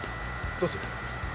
どうする？